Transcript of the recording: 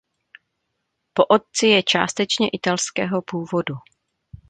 Po otci je částečně italského původu.